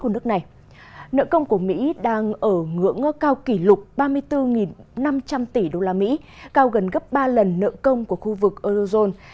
nợ công của mỹ đang ở ngưỡng cao kỷ lục ba mươi bốn năm trăm linh tỷ usd cao gần gấp ba lần nợ công của khu vực eurozone